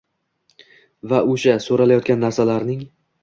va o‘sha – so‘ralayotgan narsalarning